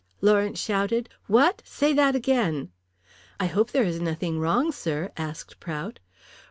Lawrence shouted. "What! Say that again." "I hope there is nothing wrong, sir," asked Prout.